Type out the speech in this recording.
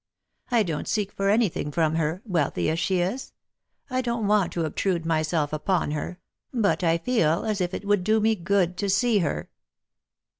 I don't seek for anything from her, wealthy as she is ; I don't want to obtrude myself upon her ; but I feel as if it would do me good to see her."